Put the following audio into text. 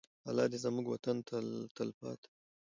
الله دې زموږ وطن ته تلپاته.